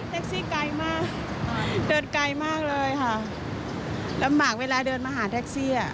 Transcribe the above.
ซี่ไกลมากเดินไกลมากเลยค่ะลำบากเวลาเดินมาหาแท็กซี่อ่ะ